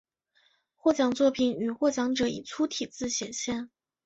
获奖作品与获奖者以粗体字显示。